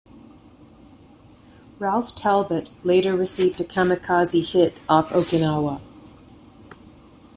"Ralph Talbot" later received a "kamikaze" hit off Okinawa.